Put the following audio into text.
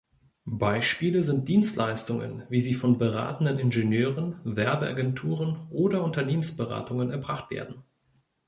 Beispiele sind Dienstleistungen, wie sie von beratenden Ingenieuren, Werbeagenturen oder Unternehmensberatungen erbracht werden.